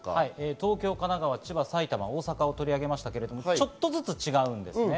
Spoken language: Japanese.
東京、神奈川、千葉、埼玉、大阪を取り上げましたけれども、ちょっとずつ違います。